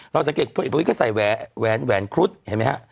สังเกตพลเอกประวิทย์ก็ใส่แหวนครุฑเห็นไหมฮะ